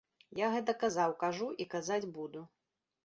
Я гэта казаў, кажу і казаць буду.